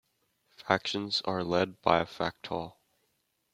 Factions are led by a Factol.